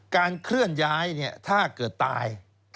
เคลื่อนย้ายถ้าเกิดตาย